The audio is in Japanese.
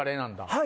はい！